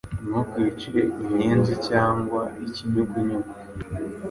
Ntukice inyenzi cyangwa ikinyugunyugu,